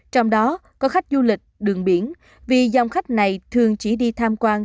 trong đó có khách du lịch đường biển vì dòng khách này thường chỉ đi tham quan